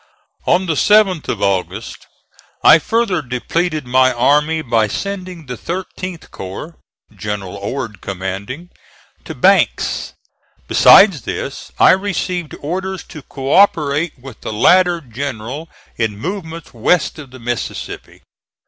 On the 7th of August I further depleted my army by sending the 13th corps, General Ord commanding, to Banks. Besides this I received orders to co operate with the latter general in movements west of the Mississippi.